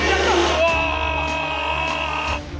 うわ！